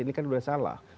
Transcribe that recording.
ini kan sudah salah